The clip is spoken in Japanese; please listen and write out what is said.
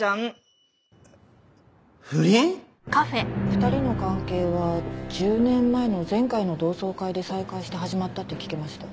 ２人の関係は１０年前の前回の同窓会で再会して始まったって聞きました。